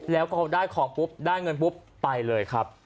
แล้วพอได้ของปุ๊บได้เงินปุ๊บไปเลยครับ